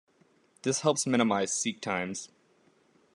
This helps minimize seek times.